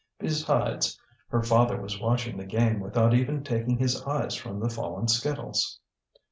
Besides, her father was watching the game without even taking his eyes from the fallen skittles.